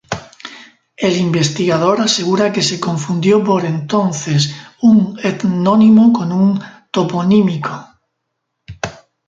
El investigador asegura que se confundió, por entonces, un etnónimo con un toponímico.